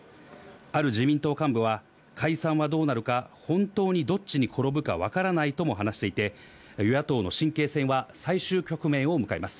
ある自民党幹部は、解散はどうなるか本当にどっちに転ぶかわからないとも話していて与野党の神経戦は最終局面を迎えます。